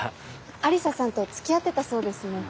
愛理沙さんとつきあってたそうですね。